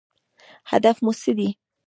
هدف مو څه دی؟